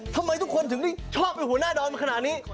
ทำไมทุกคนชอบเฉพาะแหว่งหัวหน้าดอนขนาดนี้